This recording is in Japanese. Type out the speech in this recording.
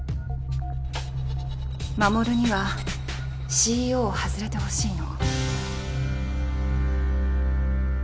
衛にはＣＥＯを外れてほしいの。